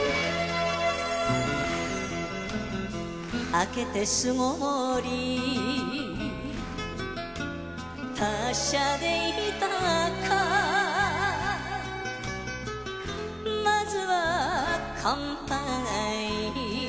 明けて巣ごもり達者でいたか先ずは乾杯！